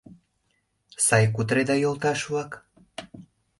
— Сай кутыреда, йолташ-влак?..